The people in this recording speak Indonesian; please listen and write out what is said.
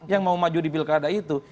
yang mau maju di pilkada itu